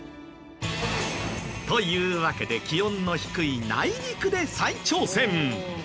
というわけで気温の低い内陸で再挑戦。